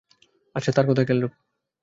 আচ্ছা তার খেয়াল রেখো।